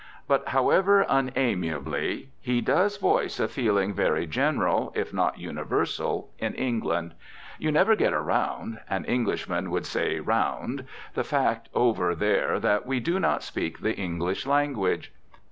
But however unamiably, he does voice a feeling very general, if not universal, in England. You never get around an Englishman would say "round" the fact over there that we do not speak the English language.